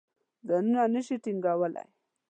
ځانونه نه شي ټینګولای.